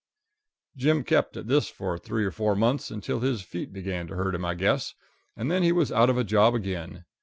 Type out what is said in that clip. Jim kept at this for three or four months, until his feet began to hurt him, I guess, and then he was out of a job again.